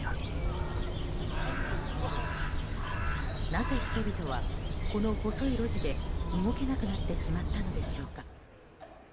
なぜ人々はこの細い路地で動けなくなってしまったのでしょうか。